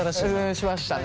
しましたね。